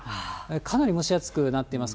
かなり蒸し暑くなっています。